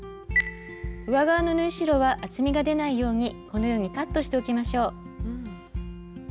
上側の縫い代は厚みが出ないようにこのようにカットしておきましょう。